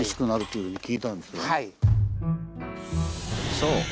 そう。